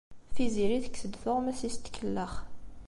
Tiziri tekkes-d tuɣmas-is n tkellax.